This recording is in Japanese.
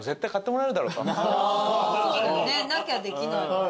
そうだねなきゃできないからね。